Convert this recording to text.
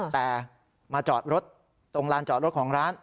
แต่มาจอดรถตรงลานจอดรถของร้าน